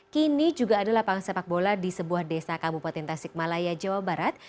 kini juga ada lapangan sepak bola di sebuah desa kabupaten tasik malaya jawa barat